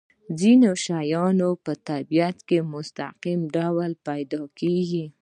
ځینې شیان په طبیعت کې په مستقیم ډول پیدا کیږي.